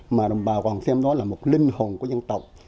mà đồng bào còn xem đó là một linh hồn của dân tộc